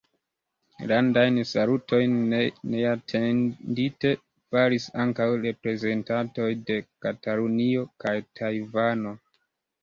Landajn salutojn neatendite faris ankaŭ reprezentantoj de Katalunio kaj Tajvano.